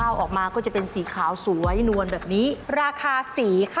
ยกสำลับไว้เสิร์ฟที่